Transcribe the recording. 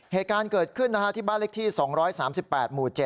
เหตุการณ์เกิดขึ้นที่บ้านเลขที่๒๓๘หมู่๗